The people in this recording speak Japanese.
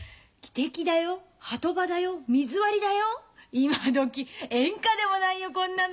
今どき演歌でもないよこんなの。